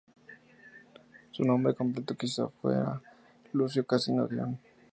Su nombre completo quizá fuera "Lucio Casio Dion".